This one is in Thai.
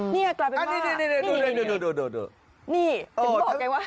นี่กลายเป็นมาก